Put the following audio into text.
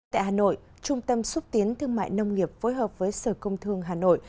tại hà nội trung tâm xúc tiến thương mại nông nghiệp phối hợp với sở công thương hà nội